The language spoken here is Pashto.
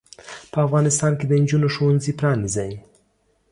په افغانستان کې د انجونو ښوونځې پرانځئ.